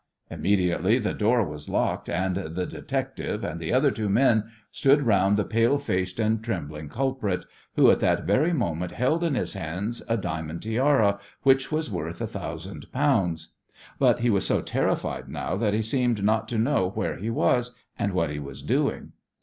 Immediately the door was locked, and the "detective" and the other two men stood round the pale faced and trembling culprit, who at that very moment held in his hands a diamond tiara which was worth a thousand pounds. But he was so terrified now that he seemed not to know where he was and what he was doing.